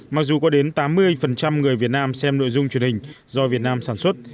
mặc dù có đến tám mươi người việt nam xem nội dung truyền hình do việt nam sản xuất